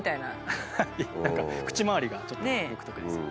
何か口まわりがちょっと独特ですね。